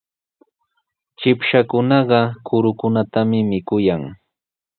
Chipshakunaqa kurukunatami mikuyan.